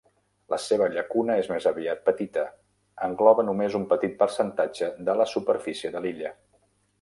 La seva llacuna és més aviat petita, engloba només un petit percentatge de la superfície de l'illa.